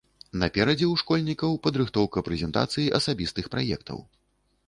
Наперадзе ў школьнікаў падрыхтоўка прэзентацыі асабістых праектаў.